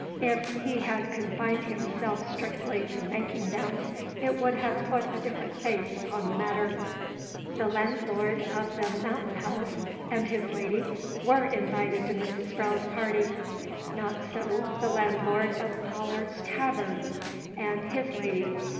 If he had confined himself strictly to making them, it would have put a different face upon the matter. The landlord of the Mountain House and his lady were invited to Mrs. Sprowle's party. Not so the landlord of Pollard's Tahvern and his lady.